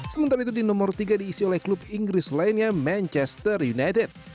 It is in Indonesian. sementara itu di nomor tiga diisi oleh klub inggris lainnya manchester united